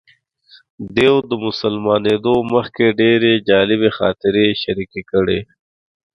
دوی د مسلمانېدو مخکې ډېرې جالبې خاطرې شریکې کړې.